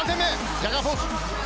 ジャガーポーズ！